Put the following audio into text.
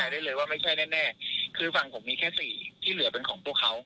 ได้เลยว่าไม่ใช่แน่คือฝั่งผมมีแค่สี่ที่เหลือเป็นของพวกเขา